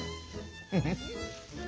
フフフッ！